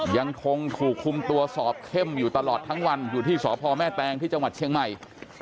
ยังคงถูกคุมตัวสอบเข้มอยู่ตลอดทั้งวันอยู่ที่สพแม่แตงที่จังหวัดเชียงใหม่